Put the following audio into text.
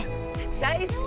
大好き。